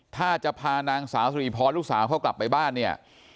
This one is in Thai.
ถ้าจะพานางสาวสุริพรลูกสาวเขากลับไปบ้านเนี่ย